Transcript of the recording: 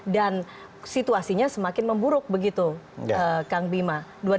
dan situasinya semakin memburuk begitu kang bima